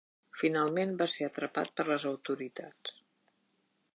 Finalment va ser atrapat per les autoritats.